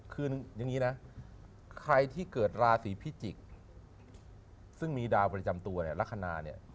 คืออย่างนี้นะใครที่เกิดราศีพิจิกษ์ซึ่งมีดาวประจำตัวเนี่ยลักษณะเนี่ย